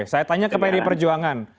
saya tanya ke pdi perjuangan